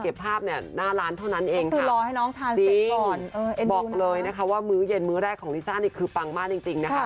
บอกเลยนะคะว่ามื้อเย็นมื้อแรกของลิซ่านี่คือปังมากจริงนะคะ